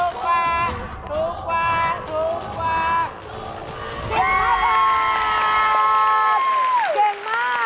เก่งมาก